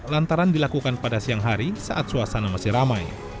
lantaran dilakukan pada siang hari saat suasana masih ramai